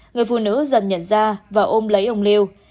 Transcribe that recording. người phụ nữ dần nhận ra và ôm lấy ông liêu